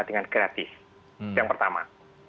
dengan gratis yang pertama